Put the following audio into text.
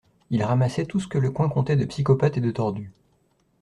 ils ramassaient tout ce que le coin comptait de psychopathes et de tordus.